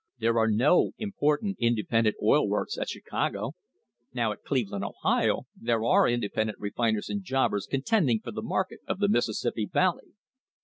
There are no important independent oil works at Chicago. Now at Cleveland, Ohio, there are independent refiners and jobbers contending for the market of the Mis sissippi Valley.